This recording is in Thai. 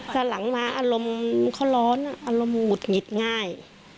แต่หลังมาอารมณ์เขาร้อนอารมณ์หงุดหงิดง่าย